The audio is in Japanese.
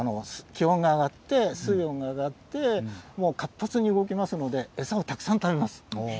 今、気温が上がって、水温が上がって、もう活発に動きますので、餌をたくさん食べます。